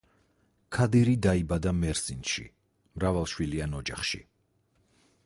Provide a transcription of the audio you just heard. ქადირი დაიბადა მერსინში მრავალშვილიან ოჯახში.